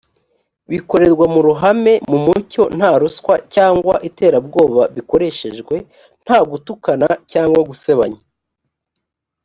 bikorerwa mu ruhame, mu mucyo, nta ruswa cyangwa iterabwoba bikoreshejwe, nta gutukana cyangwa gusebanya